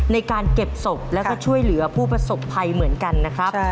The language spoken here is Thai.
ในการเก็บศพแล้วก็ช่วยเหลือผู้ประสบภัยเหมือนกันนะครับ